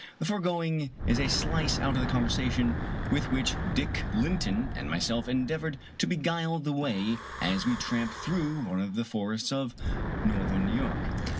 The foregoing is a slice out of the conversation with which Dick Linton and myself endeavored to beguile the way, as we tramped through one of the forests of north cm New York.